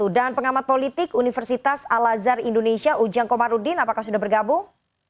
dan pengamat politik universitas al azhar indonesia ujang komarudin apakah sudah bergabung